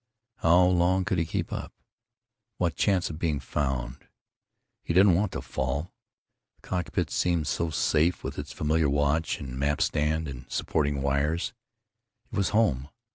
How long could he keep up? What chance of being found? He didn't want to fall. The cockpit seemed so safe, with its familiar watch and map stand and supporting wires. It was home.